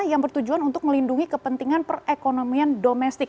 yang bertujuan untuk melindungi kepentingan perekonomian domestik